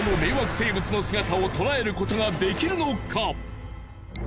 生物の姿を捉えることができるのか！？